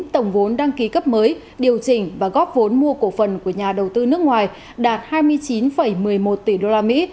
tổng vốn đăng ký cấp mới điều chỉnh và góp vốn mua cổ phần của nhà đầu tư nước ngoài đạt hai mươi chín một mươi một tỷ usd